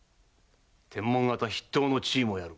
天文方筆頭の地位もやる。